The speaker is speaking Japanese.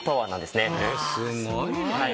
すごいね。